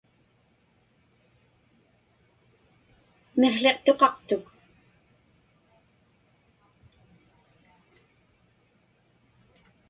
Miqłiqtuqaqtuk.